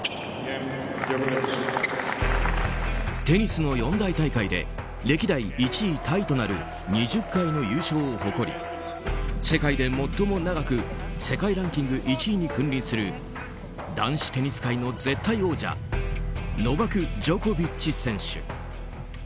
テニスの四大大会で歴代１位タイとなる２０回の優勝を誇り世界で最も長く世界ランキング１位に君臨する男子テニス界の絶対王者ノバク・ジョコビッチ選手。